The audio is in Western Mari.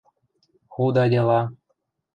– Худа дела...